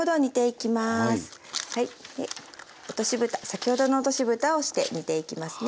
落としぶた先ほどの落としぶたをして煮ていきますね。